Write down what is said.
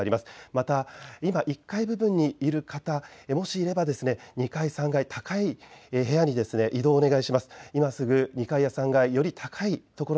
また今１階部分にいる方、もしいれば２階、３階、高い部屋に移動をお願いします。